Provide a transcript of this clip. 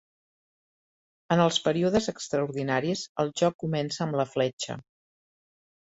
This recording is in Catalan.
En els períodes extraordinaris, el joc comença amb la fletxa.